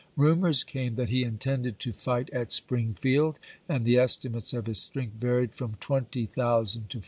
Rumors came that he intended to fight at Springfield, and the estimates of his strength varied from 20,000 to 40,000.